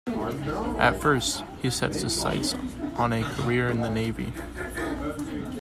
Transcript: At first, he set his sights on a career in the Navy.